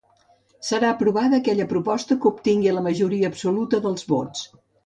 Serà aprovada aquella proposta que obtingui la majoria absoluta dels vots.